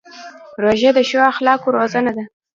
روژه د ښو اخلاقو روزنه ده.